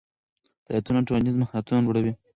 فعالیتونه ټولنیز مهارتونه لوړوي.